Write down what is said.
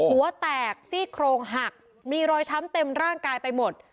หัวแตกซี่โครงหักมีรอยช้ำเต็มร่างกายไปหมด